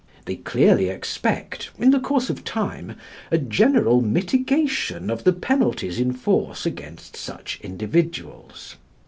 They clearly expect, in course of time, a general mitigation of the penalties in force against such individuals.